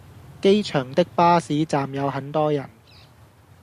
機場的公車站有很多人